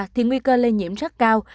thì nguy cơ lây nhiễm rất cao